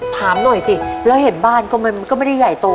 ถามหน่อยสิแล้วเห็นบ้านก็มันก็ไม่ได้ใหญ่โต